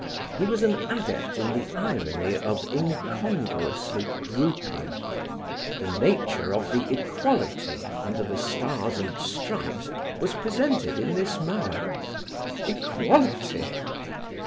He was an adept in the irony of incongruously grouping. The nature of the Equality under the stars and stripes was presented in this manner. Equality!